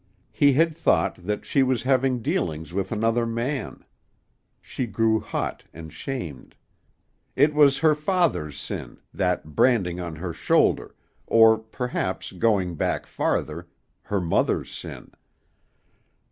He had thought that she was having dealings with another man. She grew hot and shamed. It was her father's sin, that branding on her shoulder, or, perhaps, going back farther, her mother's sin.